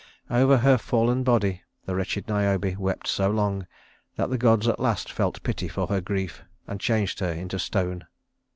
Over her fallen body the wretched Niobe wept so long that the gods at last felt pity for her grief, and changed her into stone.